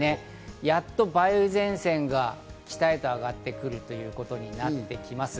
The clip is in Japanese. やっと梅雨前線が北へと上がってくるということになってきます。